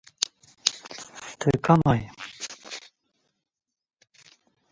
Tı kamay?